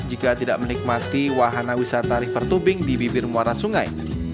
jika tidak menikmati wahana wisata river tubing di bibir muara sungai